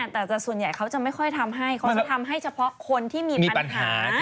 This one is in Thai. แต่ส่วนใหญ่เขาจะไม่ค่อยทำให้เขาจะทำให้เฉพาะคนที่มีปัญหา